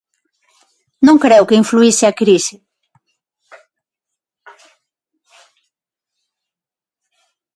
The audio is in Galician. Non creo que influíse a crise.